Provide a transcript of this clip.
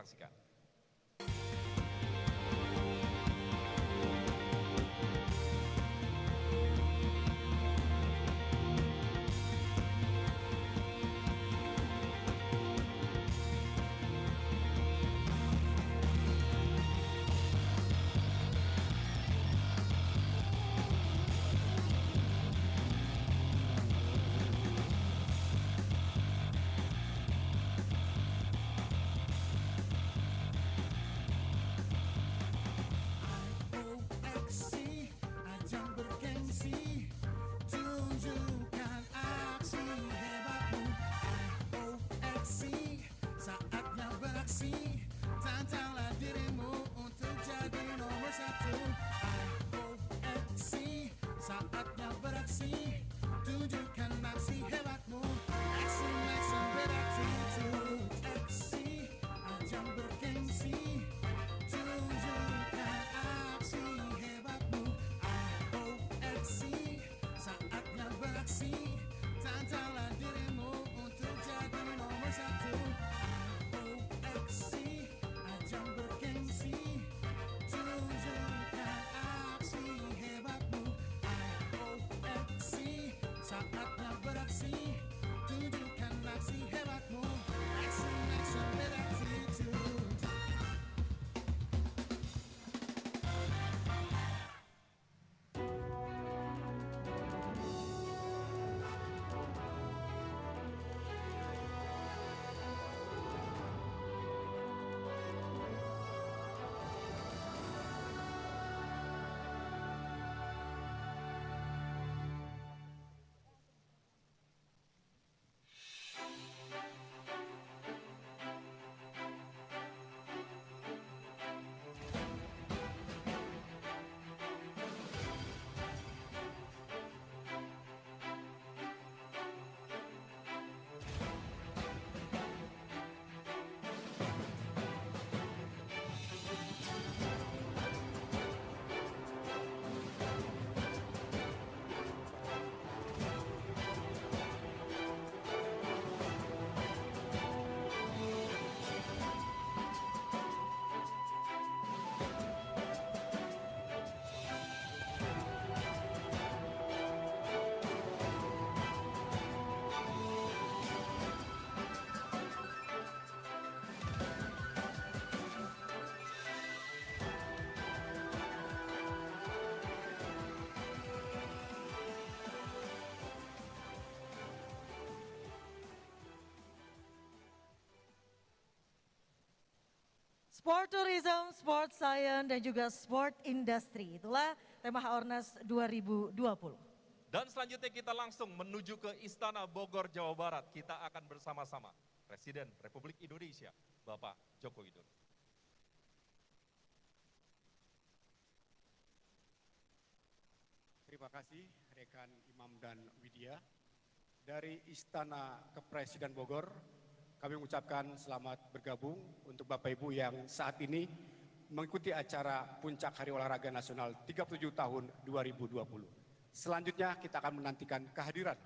itu udah apa ya menularkan sekali apalagi sesuai dengan hari olahraga nasional nanti pon dua ribu dua puluh satu udah gak kuat